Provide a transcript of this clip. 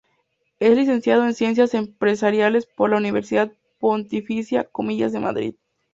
Es licenciado en Ciencias Empresariales por la Universidad Pontificia Comillas de Madrid.